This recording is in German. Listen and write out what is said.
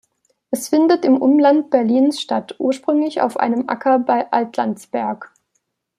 Es findet im Umland Berlins statt, ursprünglich auf einem Acker bei Altlandsberg.